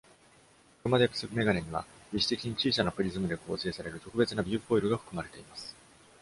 クロマデプス眼鏡には、微視的に小さなプリズムで構成される特別なビューフォイルが含まれています。